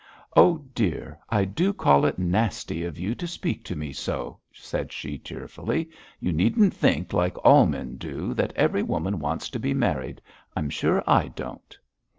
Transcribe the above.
'Oh, dear, I do call it nasty of you to speak to me so,' said she, tearfully. 'You needn't think, like all men do, that every woman wants to be married. I'm sure I don't.'